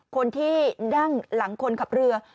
คนที่นั่งหลังคนขับเรือ